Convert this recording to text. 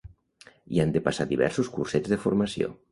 I han de passar diversos cursets de formació.